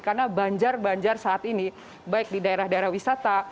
karena banjar banjar saat ini baik di daerah daerah wisata